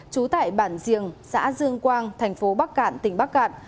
trú tại bản diềng xã dương quang thành phố bắc cạn tỉnh bắc cạn